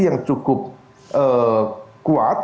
yang cukup kuat